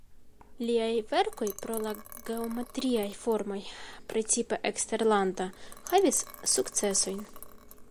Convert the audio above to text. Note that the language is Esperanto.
Liaj verkoj pro la geometriaj formoj precipe eksterlanda havis sukcesojn.